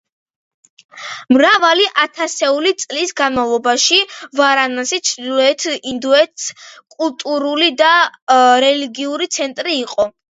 მრავალი ათასეული წლის განმავლობაში ვარანასი ჩრდილოეთ ინდოეთის კულტურული და რელიგიური ცენტრი იყო.